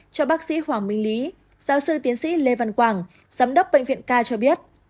cho bác sĩ hoàng minh lý giáo sư tiến sĩ lê văn quảng giám đốc bệnh viện k cho biết